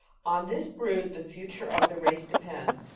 On this brood the future of the race depends.